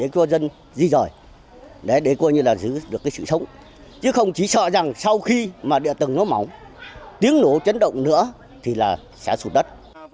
chứ không chỉ sợ rằng sau khi mà địa tầng nó mỏng tiếng nổ chấn động nữa thì là sẽ sụt đất